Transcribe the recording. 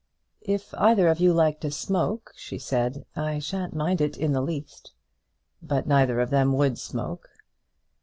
"If either of you like to smoke," she said, "I shan't mind it in the least." But neither of them would smoke.